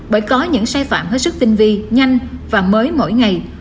bởi có những sai phạm hết sức tinh vi nhanh và mới mỗi ngày